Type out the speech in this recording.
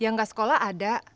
yang gak sekolah ada